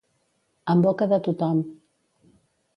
En boca de tothom.